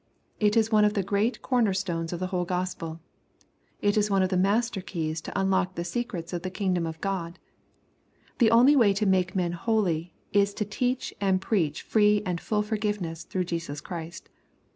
It is one of the great corner stones of the whole GospeL It is one of the master keys to unlock the secrets of the kingdom of God. The only way to make men holy, is to teach and preach free and full forgiveness through Jesus Christ.